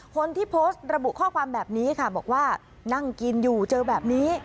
คนที่โพสต์ระบุข้อความแบบนี้ค่ะบอกว่านั่งกินอยู่เจอแบบนี้